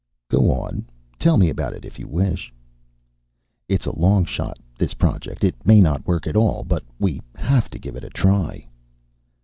"Go on. Tell me about it, if you wish." "It's a long shot, this project. It may not work at all, but we have to give it a try."